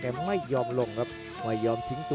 กันต่อแพทย์จินดอร์